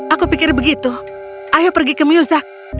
aku pikir begitu ayo pergi ke muzak